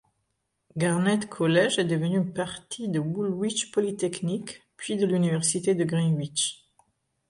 Garnett Collège est devenu une partie de Woolwich Polytechnique, puis de l'Université de Greenwich.